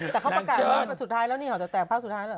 แต่เขาประกาศว่าสุดท้ายแล้วนี่เขาจะแตกภาคสุดท้ายเหรอ